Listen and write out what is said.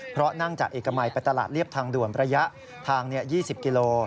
เพราะนั่งจากเอกมัยไปตลาดเรียบทางด่วนระยะทาง๒๐กิโล